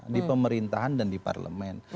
di pemerintahan dan di parlemen